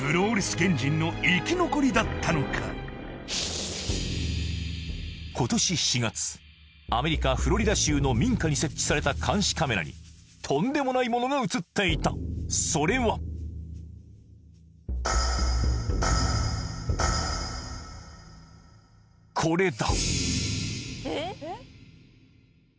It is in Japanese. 原人の生き残りだったのか今年４月アメリカフロリダ州の民家に設置された監視カメラにとんでもないものがうつっていたそれはこれだ！